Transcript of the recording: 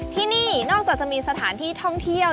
ที่นี่นอกจากจะมีสถานที่ท่องเที่ยว